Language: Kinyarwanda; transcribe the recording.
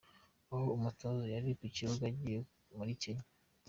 aha umutozo yari ku kibuga agiye muri Kenya